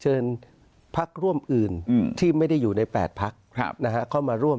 เชิญพักร่วมอื่นที่ไม่ได้อยู่ใน๘พัก